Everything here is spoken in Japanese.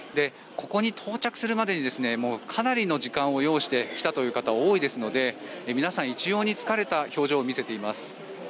ここに到着するまでにかなりの時間を要してきたという方が多いですので皆さん、一様に疲れた表情を見せています。